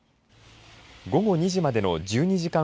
午後２時までの１２時間